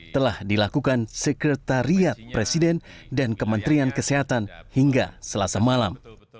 telah dilakukan sekretariat presiden dan kementerian kesehatan hingga selasa malam